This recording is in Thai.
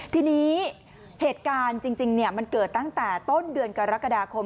ทีนี้เหตุการณ์จริงมันเกิดตั้งแต่ต้นเดือนกรกฎาคม